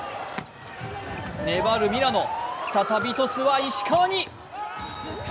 粘るミラノ、再びトスは石川に。